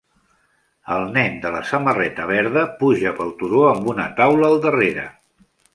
El nen de la samarreta verda puja pel turó amb una taula al darrere.